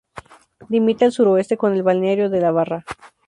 Limita al sureste con el balneario de La Barra.